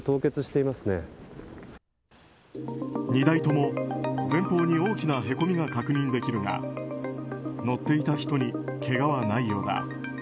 ２台とも前方に大きなへこみが確認できるが乗っていた人にけがはないようだ。